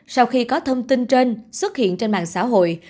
sau khi có thông tin trên xuất hiện trên mạng xã hội